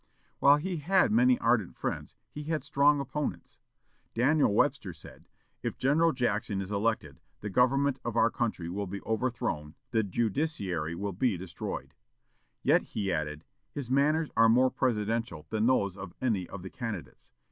While he had many ardent friends, he had strong opponents. Daniel Webster said, "If General Jackson is elected, the government of our country will be overthrown; the judiciary will be destroyed;" yet he added, "His manners are more presidential than those of any of the candidates.